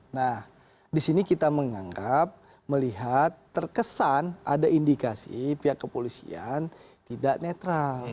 nah di sini kita menganggap melihat terkesan ada indikasi pihak kepolisian tidak netral